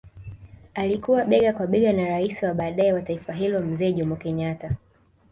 Alikuwa bega kwa bega na rais wa baadae wa taifa hilo mzee Jomo Kenyatta